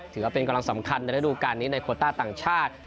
ถือว่าเป็นกำลังสำคัญในระดูการนี้ในโคต้าต่างชาติ